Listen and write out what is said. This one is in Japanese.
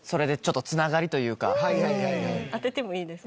当ててもいいですか？